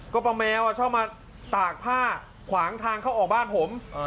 ก็ป้าแมวชอบมาตากผ้าขวางทางเข้าออกบ้านผม